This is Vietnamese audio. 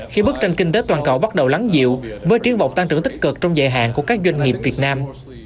khi bức tranh kinh tế toàn cầu bắt đầu lắng dịu với triến vọng tăng trưởng tích cực trong dài hạn của các doanh nghiệp việt nam